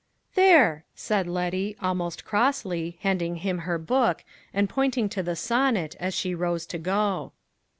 "There!" said Letty, almost crossly, handing him her book, and pointing to the sonnet, as she rose to go.